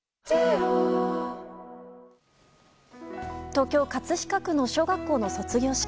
東京・葛飾区の小学校の卒業式。